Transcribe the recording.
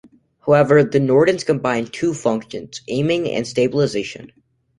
However, the Norden combined two functions, aiming and stabilization.